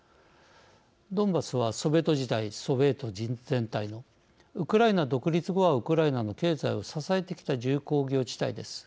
ドンバスはソビエト時代、ソビエト全体のウクライナ独立後はウクライナの経済を支えてきた重工業地帯です。